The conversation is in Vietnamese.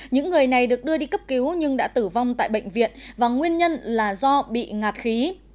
những người này được đưa đi cấp cứu nhưng đã tử vong tại bệnh viện và nguyên nhân là do bị ngạt khí